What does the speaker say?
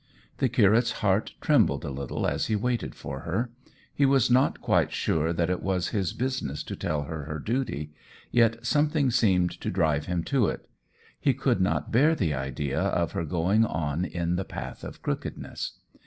The curate's heart trembled a little as he waited for her. He was not quite sure that it was his business to tell her her duty yet something seemed to drive him to it: he could not bear the idea of her going on in the path of crookedness.